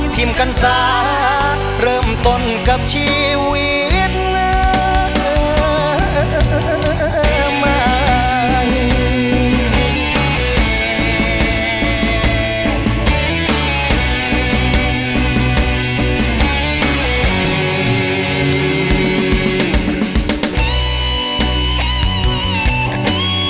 ทิ้งกันสาเริ่มต้นกับชีวิตใหม่